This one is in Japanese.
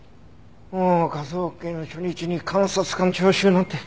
もう科捜研初日に監察官聴取なんて。